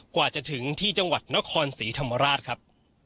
กว่าจะถึงที่จังหวัดนครศรีธรรมราชครับ